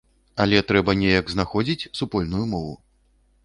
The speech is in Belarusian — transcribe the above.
Але трэба неяк знаходзіць супольную мову.